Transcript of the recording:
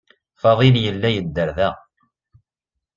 Fadil yella yedder da.